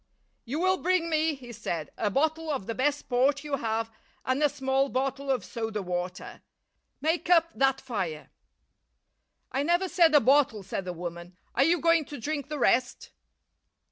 "You will bring me," he said, "a bottle of the best port you have and a small bottle of soda water. Make up that fire." "I never said a bottle," said the woman. "Are you going to drink the rest?"